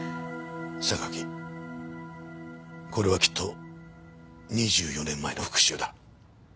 榊これはきっと２４年前の復讐だ。